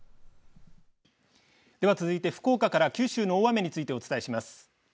では続いて福岡から九州の大雨についてお伝えします。